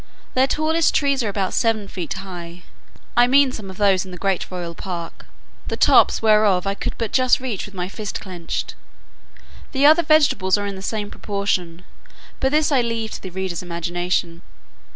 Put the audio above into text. Their tallest trees are about seven feet high: I mean some of those in the great royal park, the tops whereof I could but just reach with my fist clenched. The other vegetables are in the same proportion; but this I leave to the reader's imagination.